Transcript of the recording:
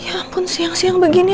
ya pun siang siang begini